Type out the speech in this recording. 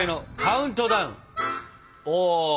お。